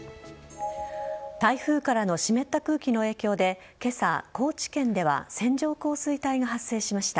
台風からの湿った空気の影響で今朝、高知県では線状降水帯が発生しました。